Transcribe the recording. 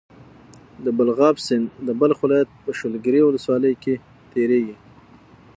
د بلخاب سيند د بلخ ولايت په شولګرې ولسوالۍ کې تيريږي.